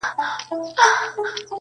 د ُملا په څېر به ژاړو له اسمانه،